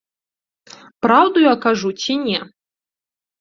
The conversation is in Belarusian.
Праўду я кажу ці не?